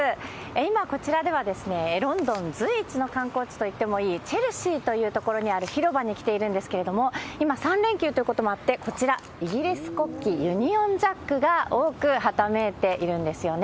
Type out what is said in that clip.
今、こちらではロンドン随一の観光地といってもいいチェルシーという所にある広場に来ているんですけれども、今、３連休ということもあって、こちら、イギリス国旗、ユニオンジャックが多くはためいているんですよね。